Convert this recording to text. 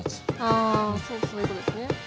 あそういうことですね。